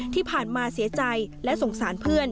ที่ผ่านมาเสียใจและสงสารเพื่อน